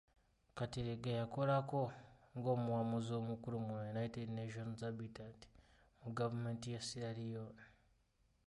Kateregga yakolako nga omuwabuzi omukulu mu United Nations Habitat mu gavumenti ya Sierra Leone.